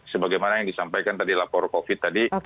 sebagaimana yang disampaikan tadi lapor covid tadi